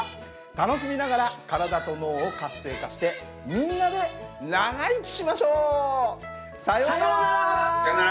楽しみながら体と脳を活性化してみんなで長生きしましょう！さようなら。